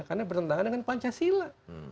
karena bertentangan dengan pancasila